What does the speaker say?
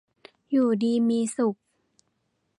อยู่ดีมีสุข